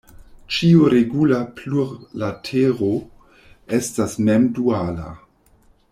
Ĉiu regula plurlatero estas mem-duala.